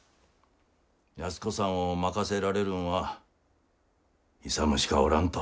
安子さんを任せられるんは勇しかおらんと。